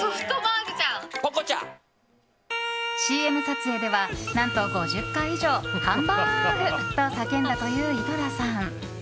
ＣＭ撮影では何と、５０回以上ハンバーグ！と叫んだという井戸田さん。